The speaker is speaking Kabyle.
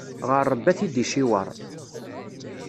Ɣer Ṛebbi ad t-id-iciweṛ.